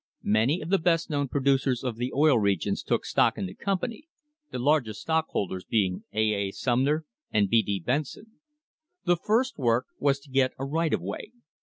Many of the best known producers of the Oil Regions took stock in the company, the largest stockholders being A. A. Sumner and B. D. Benson.* The first work was to get a right of way.